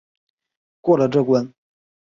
过了这关